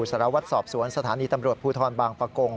สารวัตรสอบสวนสถานีตำรวจภูทรบางประกง